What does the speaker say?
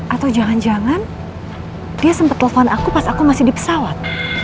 atau jangan jangan dia sempat telepon aku pas aku masih di pesawat